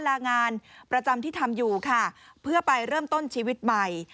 ลางานประจำที่ทำอยู่ค่ะเพื่อไปเริ่มต้นชีวิตใหม่